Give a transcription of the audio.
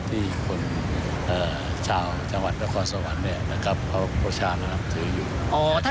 ที่คนชาวจังหวัดและข้อสวรรค์นะครับเพราะชาวนำถืออยู่